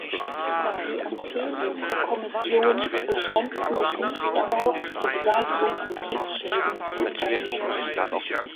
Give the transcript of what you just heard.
Die Empfehlungen der Kommission beschränkten sich nicht darauf, die Beseitigung von Kriegsschäden zu ermöglichen.